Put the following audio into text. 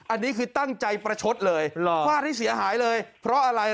อันนี้คือตั้งใจประชดเลยฟาดให้เสียหายเลยเพราะอะไร